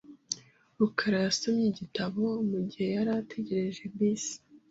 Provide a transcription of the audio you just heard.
rukara yasomye igitabo mugihe yari ategereje bisi .